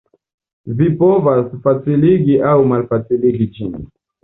Vi povas faciligi aŭ malfaciligi ĝin.